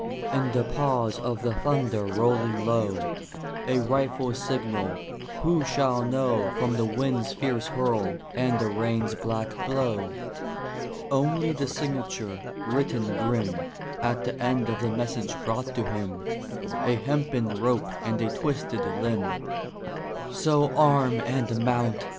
In the pause of the thunder rolling low, A rifle's signal who shall know From the wind's fierce hurl and the rain's black blow? Only the signature, written grim At the end of the message brought to him A hempen rope and a twisted limb. So arm and mount!